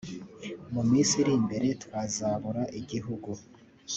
mu minsi iri imbere twazabura igihugu